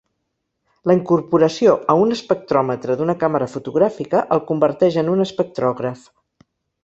La incorporació a un espectròmetre d'una càmera fotogràfica el converteix en un espectrògraf.